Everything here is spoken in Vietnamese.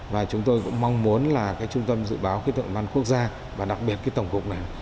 và chúng tôi cũng mong muốn là trung tâm dự báo khí tượng thủy văn quốc gia và đặc biệt tổng cục này